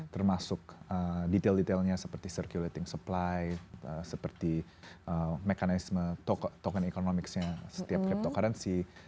termasuk detail detailnya seperti circulating supply seperti mekanisme token economics nya setiap cryptocurrency